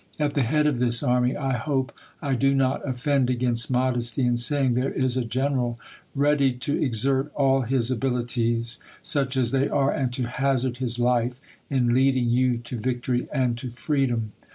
At the head of this army, I hope I do not oiiend against modesty rn saying, there is a General ready to exert all his abil ities, such as they are, and to hazard his life in leading 30U to victor}^ and to freedom.